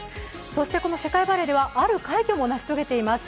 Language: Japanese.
この世界バレーでは、ある快挙も成し遂げています。